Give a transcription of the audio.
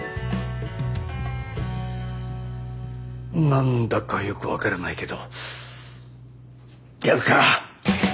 何だかよく分からないけどやるか！